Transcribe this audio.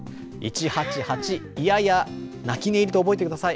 １８８、いやや泣き寝入りと覚えてください。